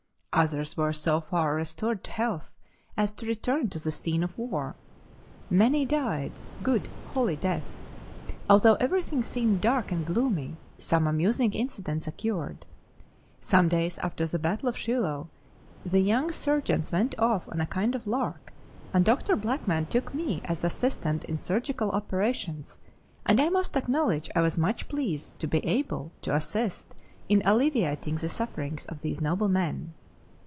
Others were so far restored to health as to return to the scene of war. Many died good, holy deaths. Although everything seemed dark and gloomy, some amusing incidents occurred. Some days after the battle of Shiloh the young surgeons went off on a kind of lark, and Dr. Blackman took me as assistant in surgical operations, and I must acknowledge I was much pleased to be able to assist in alleviating the sufferings of these noble men.